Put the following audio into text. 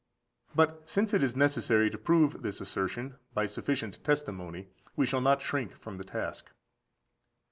But since it is necessary to prove this assertion by sufficient testimony, we shall not shrink from the task.